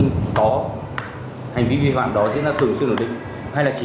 nếu có vi phạm thì tôi sẽ xử lý chứ